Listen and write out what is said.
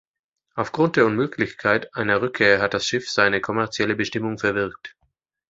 Aufgrund der Unmöglichkeit einer Rückkehr hat das Schiff seine kommerzielle Bestimmung verwirkt.